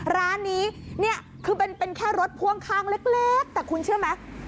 ร้านนี้เนี่ยคือเป็นแค่รถพ่วงข้างเล็กแต่คุณเชื่อไหม